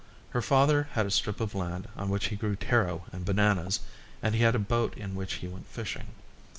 Her father had a strip of land on which he grew taro and bananas and he had a boat in which he went fishing.